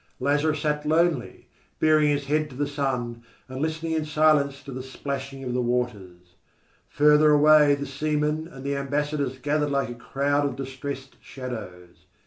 Lazarus sat lonely, baring his head to the sun, and listening in silence to the splashing of the waters. Further away the seamen and the ambassadors gathered like a crowd of distressed shadows.